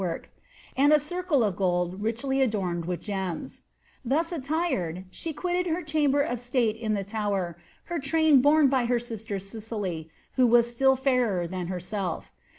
work), and a circle of ^old, richly adorned with gemnP Thus attired, she quitted her chamber of state in the Tower, her train borne by her sister Cicely, who was still fairer than herself.